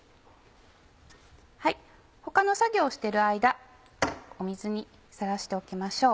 他の作業をしてる間水にさらしておきましょう。